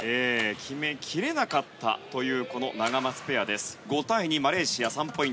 決めきれなかったというナガマツペアです。